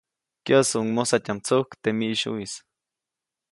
Kyäʼsuʼuŋ mojsatyaʼm tsujk teʼ miʼsyuʼis.